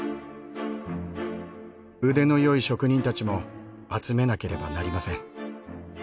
腕のよい職人たちも集めなければなりません。